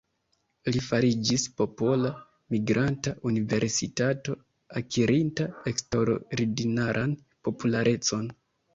Li fariĝis popola "migranta universitato", akirinta eksterordinaran popularecon.